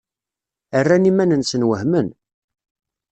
Rran iman-nsen wehmen.